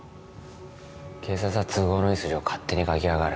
警察は都合のいい筋を勝手に書きやがる。